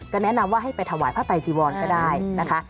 แนะนำว่าให้ไปถวายพระไตจีวรก็ได้นะคะ